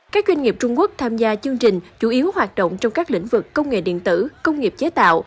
các doanh nghiệp trung quốc tham gia chương trình chủ yếu hoạt động trong các lĩnh vực công nghệ điện tử công nghiệp chế tạo